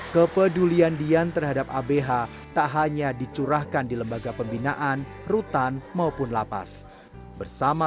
kepedulian dian terhadap abh tak hanya dicurahkan di lembaga pembinaan rutan maupun lapas bersama